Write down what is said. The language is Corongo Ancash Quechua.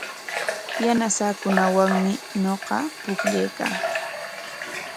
Yanasaakunawanmi ñuqa pukllaykaa.